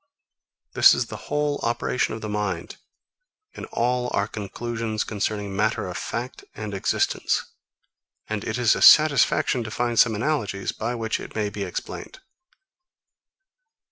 This is the whole operation of the mind, in all our conclusions concerning matter of fact and existence; and it is a satisfaction to find some analogies, by which it may be explained.